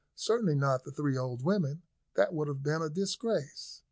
Certainly not the three old women; that would have been a disgrace.